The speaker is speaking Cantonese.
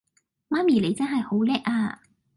媽咪你真係好叻呀